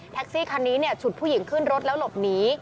แท็กซี่คันนี้เนี่ยฉุดผู้หญิงขึ้นรถแล้วหลบหนี